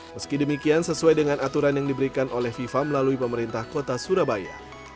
meski demikian sesuai dengan aturan yang diberikan oleh fifa melalui pemerintah kota surabaya